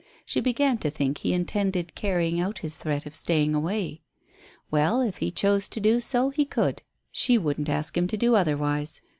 She began to think he intended carrying out his threat of staying away. Well, if he chose to do so he could. She wouldn't ask him to do otherwise.